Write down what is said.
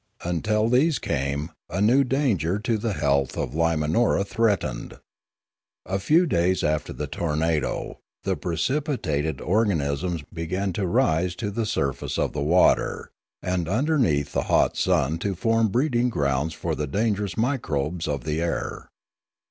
Until these came a new danger to the health of Lim anora threatened. A few days after the tornado, the precipitated organisms began to rise to the surface of the water and underneath the hot sun to form breeding grounds for the dangerous microbes of the air.